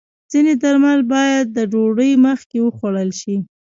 ځینې درمل باید د ډوډۍ مخکې وخوړل شي.